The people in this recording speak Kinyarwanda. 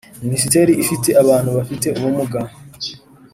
Minisiteri ifite abantu bafite ubumuga.